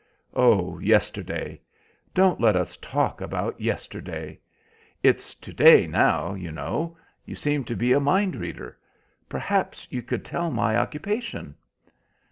"Oh, yesterday! Don't let us talk about yesterday. It's to day now, you know. You seem to be a mind reader. Perhaps you could tell my occupation?"